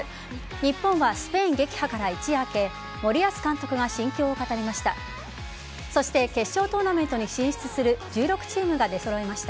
日本はスペイン撃破から一夜明け森保監督が心境を語りました。